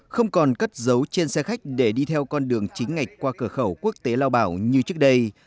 không còn cất dấu trên xe khách để đi theo con đường chính ngạch qua cửa khẩu quốc tế lao bảo như trước đây